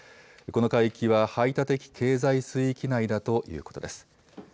この海域は排他的経済水域内だということです。